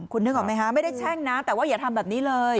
คุณนึกออกไหมคะไม่ได้แช่งนะแต่ว่าอย่าทำแบบนี้เลย